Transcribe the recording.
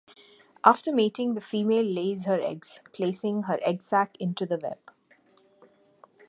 After mating, the female lays her eggs, placing her egg sac into the web.